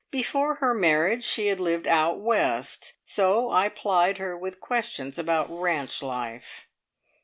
Before her marriage she had lived "out west," so I plied her with questions about ranch life.